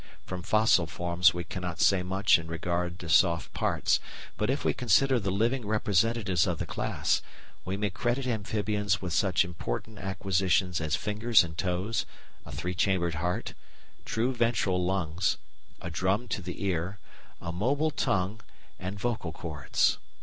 From fossil forms we cannot say much in regard to soft parts; but if we consider the living representatives of the class, we may credit amphibians with such important acquisitions as fingers and toes, a three chambered heart, true ventral lungs, a drum to the ear, a mobile tongue, and vocal cords.